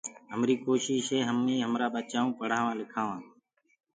همريٚ ڪوشيٚش هي هميٚنٚ همرآ ٻچآنڪوُ پڙهآوآنٚ لکآوآنٚ۔